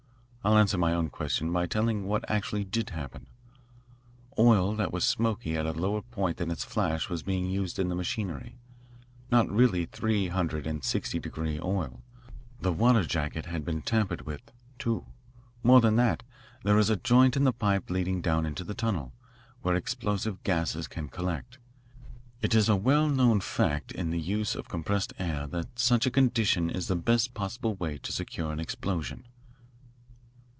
I'll answer my own question by telling what actually did happen. Oil that was smoky at a lower point than its flash was being used in the machinery not really three hundred and sixty degree oil. The water jacket had been tampered with, too. More than that, there is a joint in the pipe leading down into the tunnel, where explosive gases can collect. It is a well known fact in the use of compressed air that such a condition is the best possible way to secure an explosion.